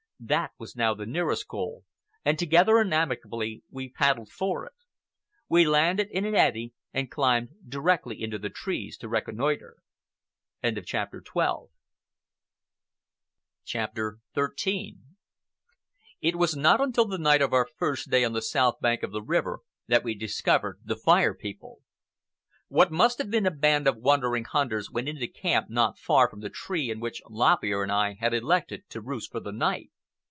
That was now the nearest goal, and together and amicably we paddled for it. We landed in an eddy, and climbed directly into the trees to reconnoitre. CHAPTER XIII It was not until the night of our first day on the south bank of the river that we discovered the Fire People. What must have been a band of wandering hunters went into camp not far from the tree in which Lop Ear and I had elected to roost for the night.